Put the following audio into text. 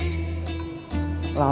kamu laper gak sih